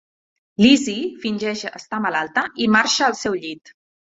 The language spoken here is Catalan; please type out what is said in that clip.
Lizzie fingeix estar malalta i marxa al seu llit.